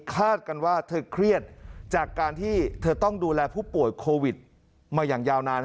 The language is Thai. กันว่าเธอเครียดจากการที่เธอต้องดูแลผู้ป่วยโควิดมาอย่างยาวนาน